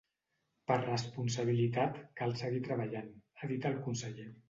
“Per responsabilitat cal seguir treballant”, ha dit el conseller.